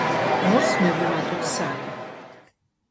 ორს მივუმატოთ სამი.